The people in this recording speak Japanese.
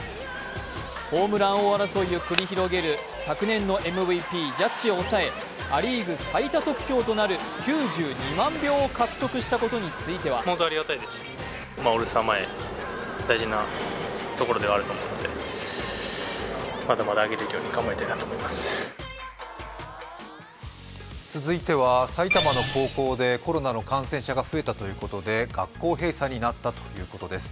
ホームラン王争いを繰り広げる昨年のＭＶＰ・ジャッジを抑え、ア・リーグ最多得票となる９２万票を獲得したことについては続いては埼玉の高校でコロナの感染者が増えたということで学校閉鎖になったということです。